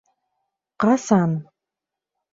Ҡасан?